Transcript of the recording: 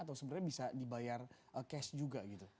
atau sebenarnya bisa dibayar cash juga gitu